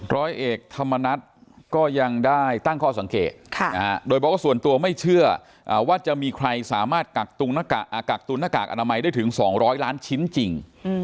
ร้อยเอกธรรมนัฐก็ยังได้ตั้งข้อสังเกตโดยบอกว่าส่วนตัวไม่เชื่อว่าจะมีใครสามารถกักตุนหน้ากากอนามัยได้ถึง๒๐๐ล้านชิ้นจริง